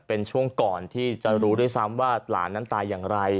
เป็นช่วงก่อนที่จะรู้ด้วยซ้ำว่าหลานนั้นตายอย่างไร